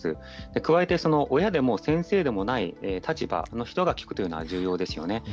加えて、親でも先生でもない立場の人が聞くというのは、重要ですよね。